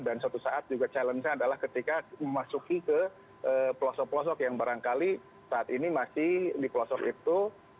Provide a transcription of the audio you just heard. dan suatu saat juga challenge nya adalah ketika memasuki ke pelosok pelosok yang barangkali saat ini masih di pelosok itu